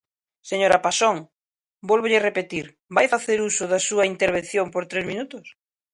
Señora Paxón, vólvollo repetir, ¿vai facer uso da súa intervención por tres minutos?